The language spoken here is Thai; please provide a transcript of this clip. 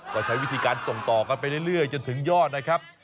ก็ใช้วิธีการส่งต่อกันไปเรื่อยจนถึงยอดนะครับ